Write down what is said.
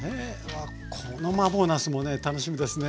このマーボーなすもね楽しみですね。